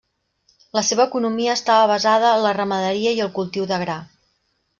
La seva economia estava basada en la ramaderia i el cultiu de gra.